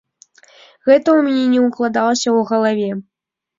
Гэта ў мяне не ўкладалася ў галаве.